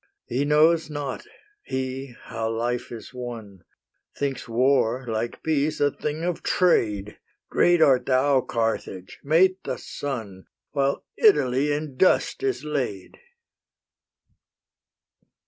He knows not, he, how life is won; Thinks war, like peace, a thing of trade! Great art thou, Carthage! mate the sun, While Italy in dust is laid!"